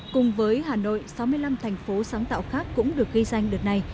cùng với hà nội sáu mươi năm thành phố sáng tạo khác cũng được ghi danh đợt này